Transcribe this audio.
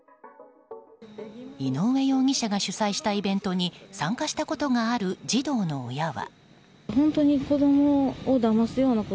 井上容疑者が主催したイベントに参加したことがある児童の親は。